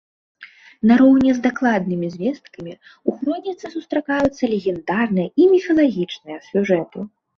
Нароўні з дакладнымі звесткамі, у хроніцы сустракаюцца легендарныя і міфалагічныя сюжэты.